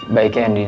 baik ya din